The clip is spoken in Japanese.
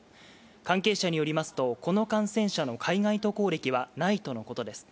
関係者によりますとこの感染者の海外渡航歴はないとのことです。